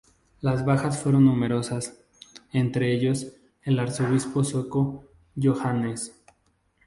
Las bajas fueron numerosas, entre ellos el arzobispo sueco Johannes.